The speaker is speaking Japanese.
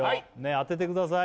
当ててください